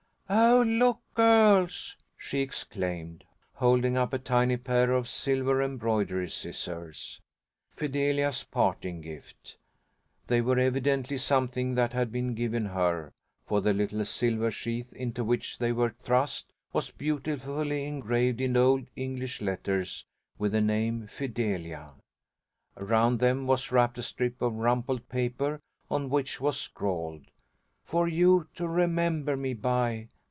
"Oh, look, girls!" she exclaimed, holding up a tiny pair of silver embroidery scissors, Fidelia's parting gift They were evidently something that had been given her, for the little silver sheath into which they were thrust was beautifully engraved in old English letters with the name "Fidelia." Around them was wrapped a strip of rumpled paper on which was scrawled: "For you to remember me by.